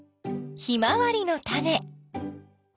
ヒマワリのタネ。